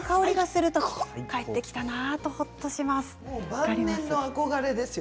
晩年の憧れですよ